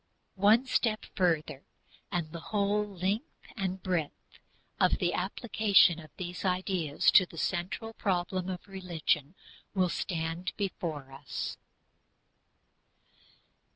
One step further and the whole length and breadth of the application of these ideas to the central problem of religion will stand before us.